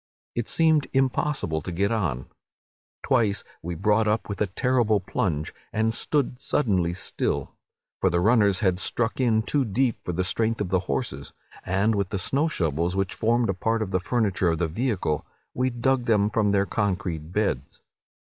It seemed impossible to get on. Twice we brought up with a terrible plunge, and stood suddenly still; for the runners had struck in too deep for the strength of the horses; and with the snow shovels, which formed a part of the furniture of the vehicle, we dug them from their concrete beds.